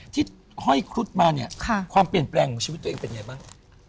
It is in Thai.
ห้อยครุฑมาเนี่ยความเปลี่ยนแปลงของชีวิตตัวเองเป็นไงบ้าง